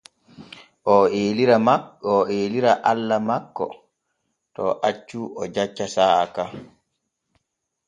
Oo eelira Allah makko to accu o jacca saa’a ka.